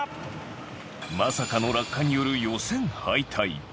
まさかの落下による予選敗退。